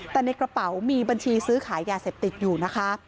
แต่ในกระเป๋ามีบัญชีซื้อขายยาเสพติดอยู่นะคะ